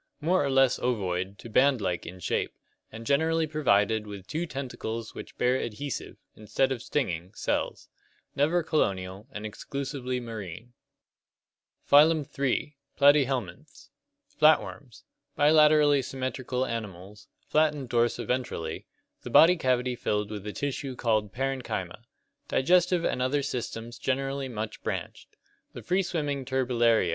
More or less ovoid to band like in shape, and generally provided with two tentacles which bear adhesive, instead of stinging, cells. Never colonial, and exclusively marine. Phylum III. Platyhelminthes (Gr. irAanfe, flat, and c\/uw, worm). Flatworms. Bilaterally symmetrical animals, flattened dorso ventrally, CLASSIFICATION OF ORGANISMS 35 the body cavity filled with a tissue called parenchyma. Digestive and other systems generally much branched. The free swimming Turbellaria (Lat.